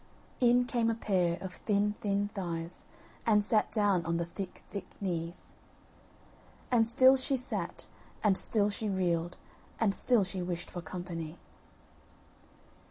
In came a pair of thin thin thighs, and sat down on the thick thick knees; And still she sat, and still she reeled, and still she wished for company.